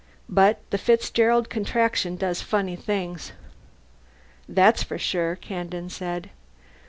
But the Fitzgerald Contraction does funny things." "That's for sure," Kandin said.